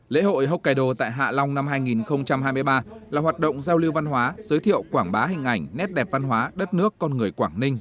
lễ hội hokkaido tại hạ long năm hai nghìn hai mươi ba là hoạt động giao lưu văn hóa giới thiệu quảng bá hình ảnh nét đẹp văn hóa đất nước con người quảng ninh